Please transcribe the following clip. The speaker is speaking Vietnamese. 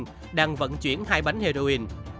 phòng phòng chống ma túy